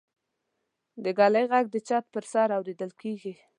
د ږلۍ غږ د چت پر سر اورېدل کېږي.